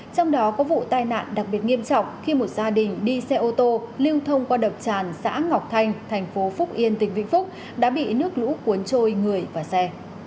trong đó có vụ tai nạn đặc biệt nghiêm trọng khi một gia đình đi xe ô tô lưu thông qua đập tràn xã ngọc thanh thành phố phúc yên tỉnh vĩnh phúc đã bị nước lũ cuốn trôi người và xe